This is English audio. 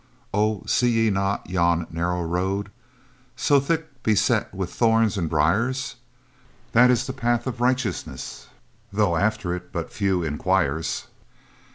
"O see ye not yon narrow road So thick beset wi' thorns and briers? That is the Path of Righteousness, Though after it but few inquires.